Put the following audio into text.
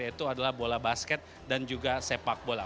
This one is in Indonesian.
yaitu adalah bola basket dan juga sepak bola